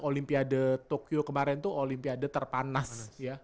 olimpiade tokyo kemarin itu olimpiade terpanas